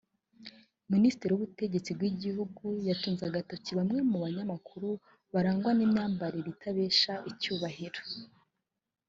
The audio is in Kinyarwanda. Minisitiri w’ubutegetsi bw’igihugu yatunze agatoki bamwe mu banyamakuru barangwa n’imyambarire itabesha icyubahiro